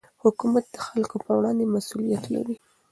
حکومت د خلکو پر وړاندې مسوولیت لري